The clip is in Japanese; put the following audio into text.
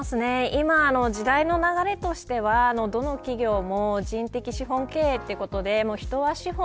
今の時代の流れとしてはどの企業も人的資本経営ということで人は資本。